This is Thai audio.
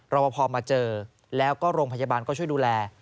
ว่าพอมาเจอแล้วก็โรงพยาบาลก็ช่วยดูแล